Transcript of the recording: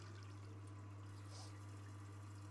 له همدې کارتن څخه به مو بوټي را اخیستل او کوټه به مو ګرموله.